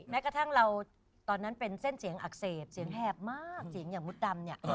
แม้กระทั่งเราตอนนั้นเป็นเส้นเสียงอักเสบเสียงแหบมากเสียงอย่างมดดำเนี่ย